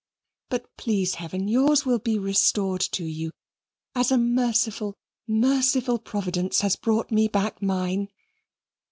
But please Heaven yours will be restored to you, as a merciful merciful Providence has brought me back mine."